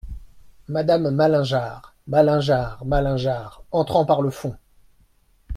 Madame Malingear, Malingear Malingear , entrant par le fond.